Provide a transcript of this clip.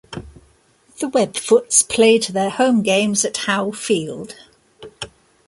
The Webfoots played their home games at Howe Field.